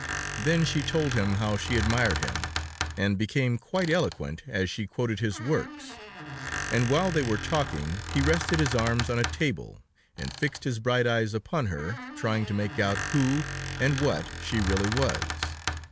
Then she told him how she admired him, and became quite eloquent as she quoted his works, and while they were talking he rested his arms on a table, and fixed his bright eyes upon her, trying to make out who and what she really was.